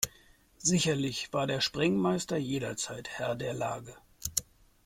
Sicherlich war der Sprengmeister jederzeit Herr der Lage.